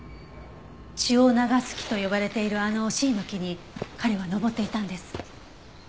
血を流す木と呼ばれているあのシイの木に彼は登っていたんです。